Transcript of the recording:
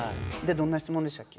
「どんな質問でしたか？」